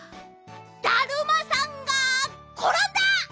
だるまさんがころんだ！